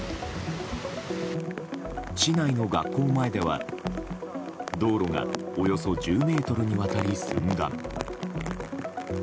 市内の学校前では道路がおよそ１０ｍにわたり寸断。